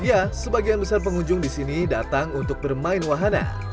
ya sebagian besar pengunjung di sini datang untuk bermain wahana